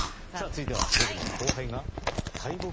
続いては僕の後輩が大木？